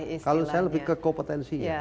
kalau saya lebih ke kompetensinya